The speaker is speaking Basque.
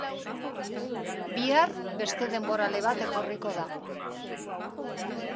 Bihar, beste denborale bat etorriko da.